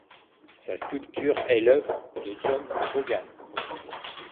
Sa sculpture est l'œuvre de John Hogan.